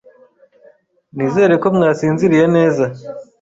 Nizere ko mwasinziriye neza